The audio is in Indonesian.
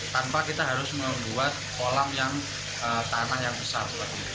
tanpa kita harus membuat kolam yang tanah yang besar